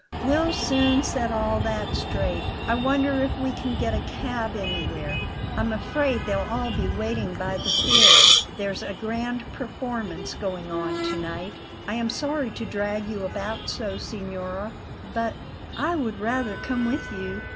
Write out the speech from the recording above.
We'll soon set all that straight. I wonder if we can get a cab anywhere. I'm afraid they'll all be waiting by the theatre; there's a grand performance going on to night. I am sorry to drag you about so, signora; but " "I would rather come with you.